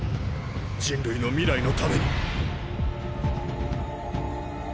人類の未来のために！